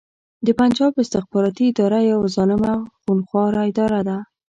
د پنجاب استخباراتې اداره يوه ظالمه خونښواره اداره ده